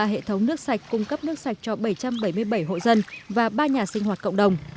ba hệ thống nước sạch cung cấp nước sạch cho bảy trăm bảy mươi bảy hộ dân và ba nhà sinh hoạt cộng đồng